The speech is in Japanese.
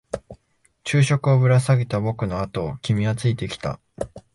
昼食をぶら下げた僕のあとを君はついてきた。